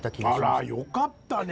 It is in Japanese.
あらよかったね